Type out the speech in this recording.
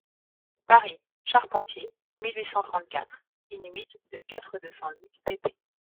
Paris, Charpentier, mille huit cent trente-quatre, in-huit de quatre-deux cent huit pp.